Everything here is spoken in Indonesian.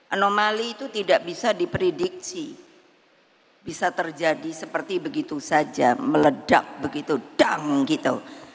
anomali itu tidak bisa diprediksi bisa terjadi seperti begitu saja meledak begitu dum gitu